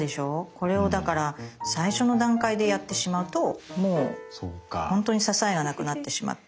これをだから最初の段階でやってしまうともう本当に支えがなくなってしまって。